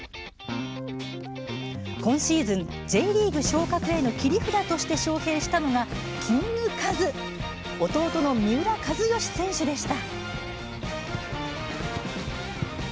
今シーズン、Ｊリーグ昇格への切り札として招へいしたのがキングカズ・弟の三浦知良選手でした。